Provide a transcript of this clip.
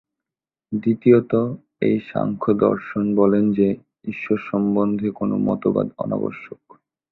দ্বিতীয়ত এই সাংখ্যদর্শন বলেন যে, ঈশ্বর সম্বন্ধে কোন মতবাদ অনাবশ্যক।